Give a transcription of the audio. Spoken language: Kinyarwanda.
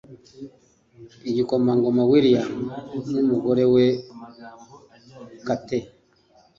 Igikomangoma William n’umugore we Kate